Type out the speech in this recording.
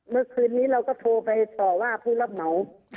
เมื่อคืนนี้เราก็โทรไปต่อว่าผู้รับเหมา